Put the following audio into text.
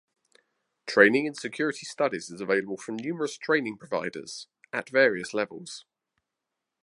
Training in Security Studies is available from numerous training providers - at various levels.